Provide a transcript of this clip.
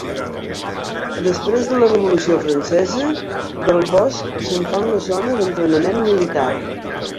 Després de la Revolució Francesa, del bosc se'n fa una zona d'entrenament militar.